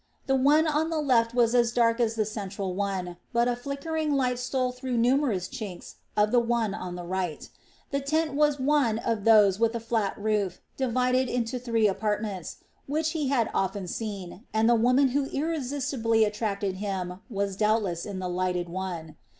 The one on the left was as dark as the central one; but a flickering light stole through numerous chinks of the one on the right. The tent was one of those with a flat roof, divided into three apartments, which he had often seen, and the woman who irresistibly attracted him was doubtless in the lighted one.